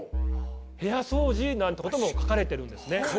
部屋そうじなんてことも書かれてるんですね。